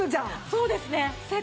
そうです。